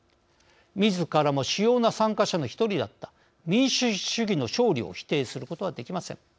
みずからも主要な参加者の一人だった「民主主義の勝利」を否定することはできません。